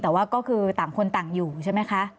แต่ว่าก็คือต่างคนต่างอยู่ใช่ไหมคะ